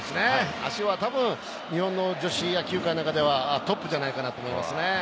足はたぶん日本の女子野球界の中ではトップじゃないかなと思いますね。